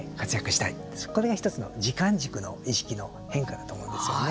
これが１つの、時間軸の意識の変化だと思うんですよね。